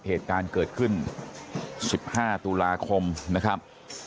เหตุการณ์เกิดขึ้น๑๕ตุลาคมนะครับ